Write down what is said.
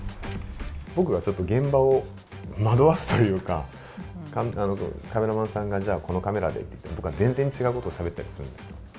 僕がちょっと、現場を惑わすというか、カメラさんがじゃあ、このカメラでって言っても、僕が全然違うことをしゃべったりするんですよ。